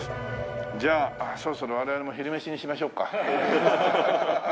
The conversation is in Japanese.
じゃあそろそろ我々も昼飯にしましょうか。